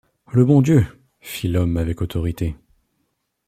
Le bon Dieu, fit l’homme avec autorité.